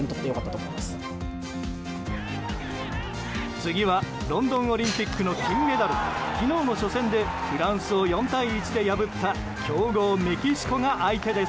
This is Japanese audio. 次はロンドンオリンピックの金メダル昨日の初戦でフランスを４対１で破った強豪メキシコが相手です。